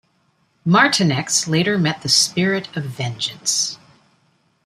Martinex later met the Spirit of Vengeance.